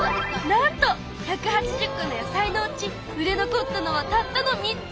なんと１８０個の野菜のうち売れ残ったのはたったの３つ！